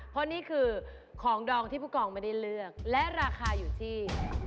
เพราะนี่คือของดองที่ผู้กองไม่ได้เลือกและราคาอยู่ที่